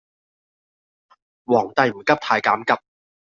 皇帝唔急太監急